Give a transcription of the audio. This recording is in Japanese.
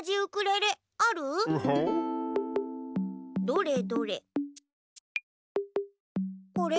どれどれ。